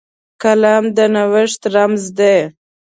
قلم د نوښت رمز دی